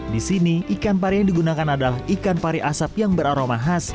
di sini ikan pari yang digunakan adalah ikan pari asap yang beraroma khas